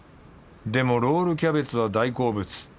でもロールキャベツは大好物。